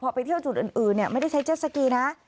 พอไปเที่ยวจุดอื่นไม่ได้ใช้เจ็ดสกีนะ